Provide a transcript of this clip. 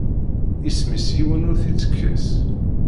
Isem-is yiwen ur t-itekkes.